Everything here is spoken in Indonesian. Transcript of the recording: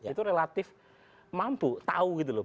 itu relatif mampu tahu gitu loh